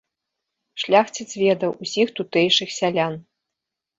Шляхціц ведаў усіх тутэйшых сялян.